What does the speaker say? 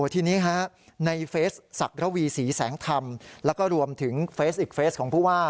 ทีนี้ในเฟสศักระวีศรีแสงธรรมแล้วก็รวมถึงเฟสอีกเฟสของผู้ว่า